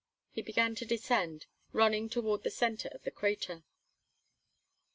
He began to descend, running toward the center of the crater.